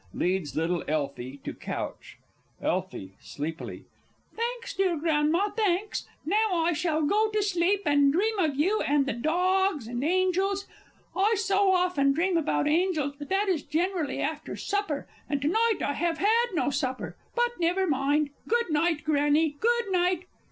[Leads little ELFIE to couch. Elfie (sleepily). Thanks, dear Grandma, thanks.... Now I shall go to sleep, and dream of you, and the dogs, and angels. I so often dream about angels but that is generally after supper, and to night I have had no supper.... But never mind.... Good night, Grannie, good night